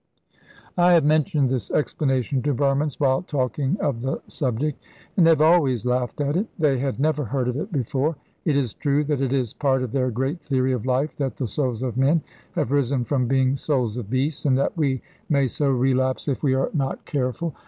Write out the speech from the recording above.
I have mentioned this explanation to Burmans while talking of the subject, and they have always laughed at it. They had never heard of it before. It is true that it is part of their great theory of life that the souls of men have risen from being souls of beasts, and that we may so relapse if we are not careful.